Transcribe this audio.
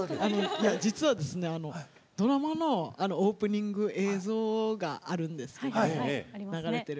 実は、ドラマのオープニング映像があるんですが流れてる。